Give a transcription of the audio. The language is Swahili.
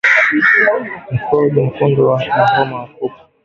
Mkonjo Mwekundu wa homa ya kupe